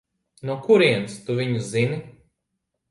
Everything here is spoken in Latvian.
No kurienes tu viņu zini?